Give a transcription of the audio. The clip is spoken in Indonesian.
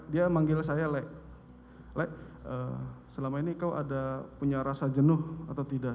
dia manggil saya lek lek selama ini kau ada punya rasa jenuh atau tidak